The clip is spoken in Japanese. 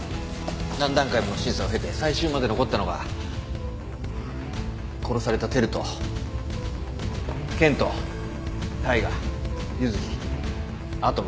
何段階もの審査を経て最終まで残ったのが殺された輝と剣人大我ユズキ亜斗